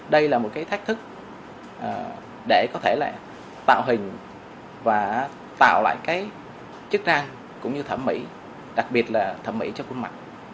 đây là một cái thách thức để có thể là tạo hình và tạo lại cái chức năng cũng như thẩm mỹ đặc biệt là thẩm mỹ cho khuôn mặt